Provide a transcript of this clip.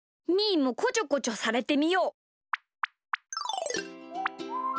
ーもこちょこちょされてみよう。